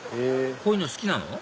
こういうの好きなの？